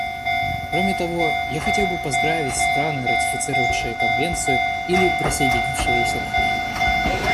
Кроме того, я хотел бы поздравить страны, ратифицировавшие Конвенцию или присоединившиеся к ней.